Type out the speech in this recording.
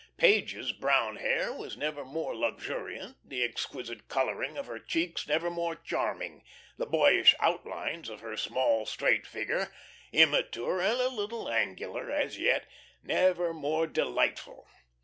Page's brown hair was never more luxuriant, the exquisite colouring of her cheeks never more charming, the boyish outlines of her small, straight figure immature and a little angular as yet never more delightful.